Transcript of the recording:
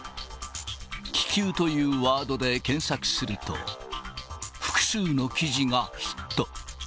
気球というワードで検索すると、複数の記事がヒット。